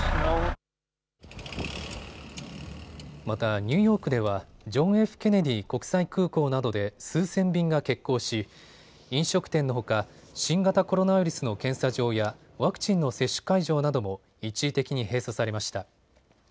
またニューヨークではジョン・Ｆ・ケネディ国際空港などで数千便が欠航し飲食店のほか新型コロナウイルスの検査場やワクチンの接種会場なども一時的に閉鎖されました。